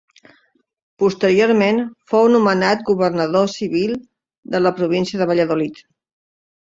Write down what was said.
Posteriorment fou nomenat governador civil de la província de Valladolid.